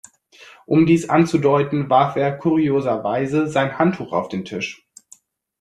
Um dies anzudeuten, warf er kurioserweise sein Handtuch auf den Tisch.